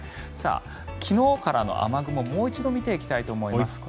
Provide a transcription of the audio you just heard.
昨日からの雨雲、もう一度見ていきたいと思います。